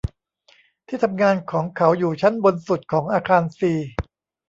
ที่ทำงานของเขาอยู่ชั้นบนสุดของอาคารซี